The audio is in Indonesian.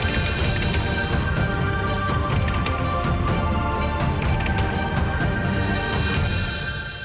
tidak ada yang bisa kita lihat